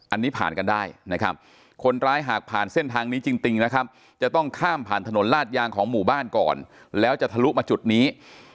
อันนี้ผ่านกันได้นะครับคนร้ายหากผ่านเส้นทางนี้จริงนะครับจะต้องข้ามผ่านถนนลาดยางของหมู่บ้านก่อนแล้วจะทะลุมาจุดนี้